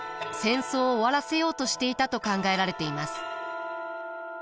戦争を終わらせようとしていたと考えられています。